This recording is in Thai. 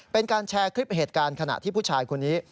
เป็นการแชร์คลิปเหตุการณ์ขณะที่ผู้ชายคนนี้